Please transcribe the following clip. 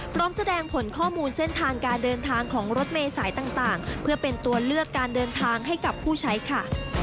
พร้อมแสดงผลข้อมูลเส้นทางการเดินทางของรถเมษายต่างเพื่อเป็นตัวเลือกการเดินทางให้กับผู้ใช้ค่ะ